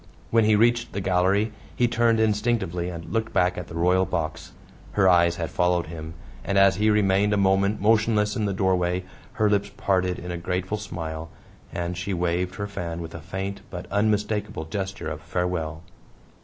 When he reached the gallery he turned instinctively and looked back at the royal box. Her eyes had followed him, and as he remained a moment motionless in the doorway her lips parted in a grateful smile, and she waved her fan with a faint but unmistakable gesture of farewell.